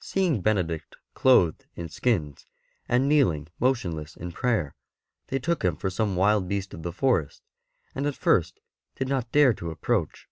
Seeing Benedict clothed in skins, and kneeling m.otionless in prayer, they took him for some wild beast of the forest, and at first did not dare to approach.